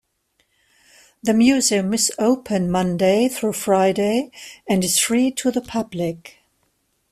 The museum is open Monday through Friday and is free to the public.